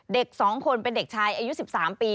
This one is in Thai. เด็ก๒คนเป็นเด็กชายอายุ๑๓ปี